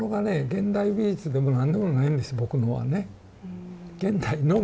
現代美術でも何でもないんです僕のはね。